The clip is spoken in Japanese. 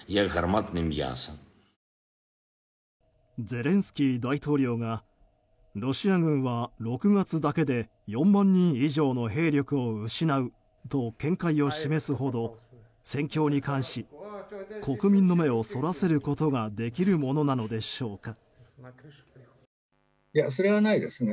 ゼレンスキー大統領がロシア軍は６月だけで４万人以上の兵力を失うと見解を示すほど戦況に関し、国民の目をそらせることができるものなのでしょうか。